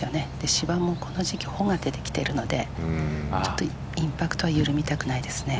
芝もこの時期穂が出てきているのでインパクトは緩みたくないですね。